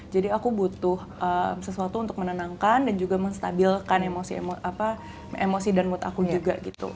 jadi aku butuh sesuatu untuk menenangkan dan juga menstabilkan emosi dan mood aku juga